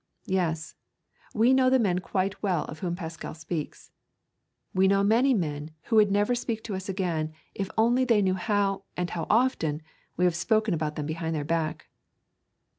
Yes, we know the men quite well of whom Pascal speaks. We know many men who would never speak to us again if they only knew how, and how often, we have spoken about them behind their back.